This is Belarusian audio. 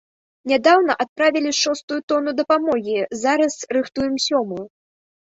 Нядаўна адправілі шостую тону дапамогі, зараз рыхтуем сёмую.